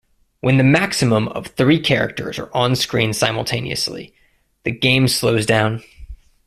When the maximum of three characters are on screen simultaneously, the game slows down.